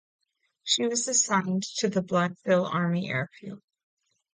She was assigned to the Blytheville Army Air Field.